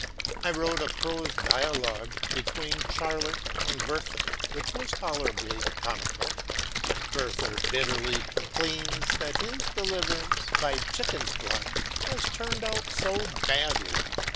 I wrote a prose dialogue between Charlotte and Werther, which was tolerably comical: Werther bitterly complains that his deliverance by chickens' blood has turned out so badly.